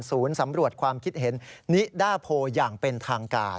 สำรวจความคิดเห็นนิดาโพอย่างเป็นทางการ